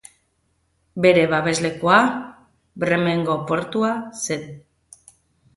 Bere babeslekua Bremengo portua zen.